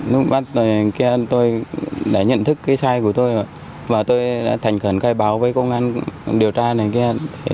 lúc bắt kia tôi đã nhận thức cái sai của tôi và tôi đã thành khẩn khai báo với công an điều tra này kia